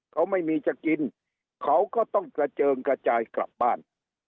เขาไม่มีจะกินเขาก็ต้องกระเจิงกระจายกลับบ้าน